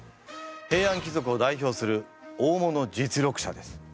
平安貴族を代表する大物実力者です。